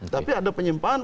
tapi ada penyimpangan